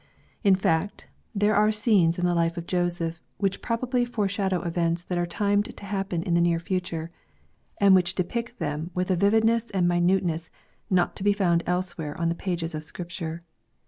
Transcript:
In fact, there are scenes in the life of Joseph which probably foreshadow events that are timed to happen In the near future, and which depict them with a vividness and minuteness not to be found elsewhere on the page of Scripture.